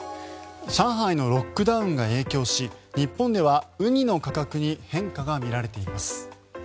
上海のロックダウンが影響し日本ではウニの価格に変化がみられています。